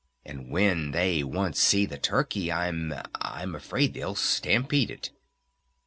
And when they once see the turkey I'm I'm afraid they'll stampede it."